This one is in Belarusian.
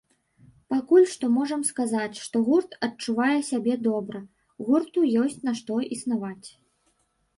Пакуль што можам сказаць, што гурт адчувае сябе добра, гурту ёсць на што існаваць.